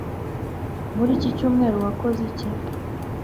Muri iki cyumweru wakoze iki